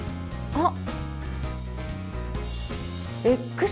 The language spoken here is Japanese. あっ。